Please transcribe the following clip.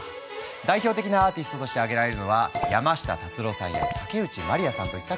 代表的なアーティストとして挙げられるのは山下達郎さんや竹内まりやさんといった方たち。